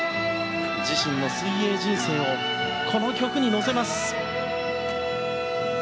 自身の水泳人生をこの曲に乗せます。